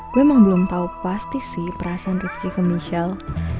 gue memang belum tahu pasti sih perasaan rifki ke michelle